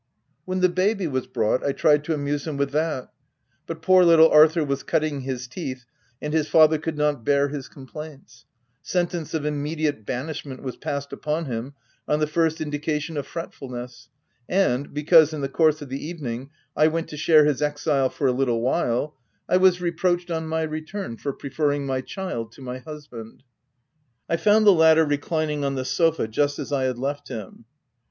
When the baby was brought I tried to amuse him with that ; but poor little Arthur was cutting his teeth, and his father could not bear his complaints ; sen tence of immediate banishment was passed upon him on the first indication of fretfulness ; and, because, in the course of the evening, I went to share his exile for a little while, I was reproached, on my return, for preferring my child to my husband. I found the latter re clining on the sofa just as I had left him.